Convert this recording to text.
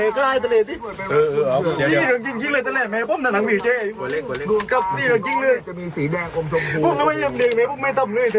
ปุ้มก็ไม่ยอมเด่นไหมปุ้มไม่ต้องเล่น